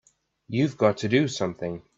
You've got to do something!